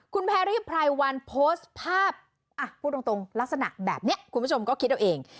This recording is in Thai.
คุณแพรรี่ไพรวันโพสต์ภาพอ่ะพูดตรงลักษณะแบบนี้คุณผู้ชมก็คิดเอาเอง